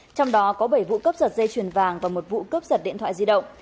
trong đó có bảy vụ cấp sật dây truyền vàng và một vụ cấp sật điện thoại di động